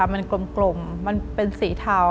มันกลมมันเป็นสีเทา